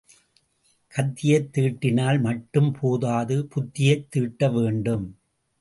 கத்தியைத் தீட்டினால் மட்டும் போதாது புத்தியைத் தீட்ட வேண்டும்.